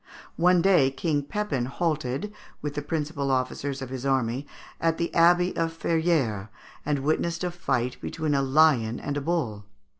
One day King Pepin halted, with the principal officers of his army, at the Abbey of Ferrières, and witnessed a fight between a lion and a bull.